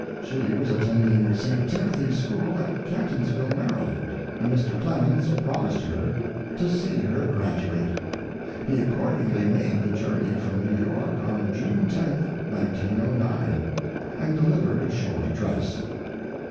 She was attending St. Timothy's School, at Catonsville, Maryland, and Mr. Clemens promised her to see her graduate. He accordingly made the journey from New York on June 10, 1909, and delivered a short address.